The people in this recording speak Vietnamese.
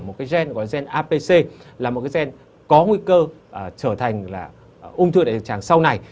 một cái gen gọi gen apc là một cái gen có nguy cơ trở thành là ung thư đại trực tràng sau này